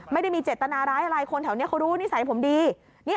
ไม่ได้มีเจตนาร้ายอะไรคนแถวนี้เขารู้นิสัยผมดี